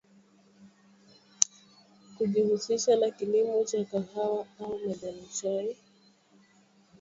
kijihusisha na kilimo cha kahawa au majani chai